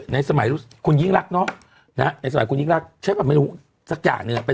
ในสมัยคุณยิ่งรักเนอะในสมัยคุณยิ่งรักใช่ป่ะไม่รู้สักอย่างหนึ่ง